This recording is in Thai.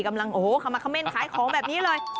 กำลังเข้ามาเข้าเม่นขายของแบบนี้เลย